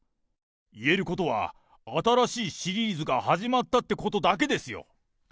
言えることは、新しいシリーズが始まったってことだけですよ。